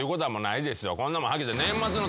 こんなもんはっきり言って。